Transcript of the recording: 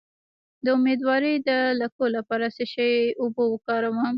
د امیدوارۍ د لکو لپاره د څه شي اوبه وکاروم؟